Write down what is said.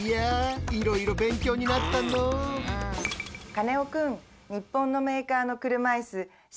カネオくん。